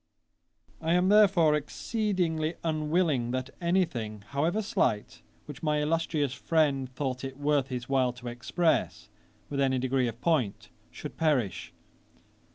I am therefore exceedingly unwilling that any thing, however slight, which my illustrious friend thought it worth his while to express, with any degree of point, should perish.